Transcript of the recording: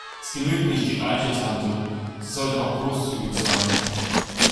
Es genügt nicht die reiche Tante, sie sollte auch großzügig sein.